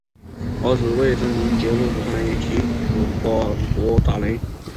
儿子为知名节目主持人与体育主播傅达仁。